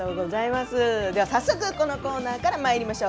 早速このコーナーからまいりましょう。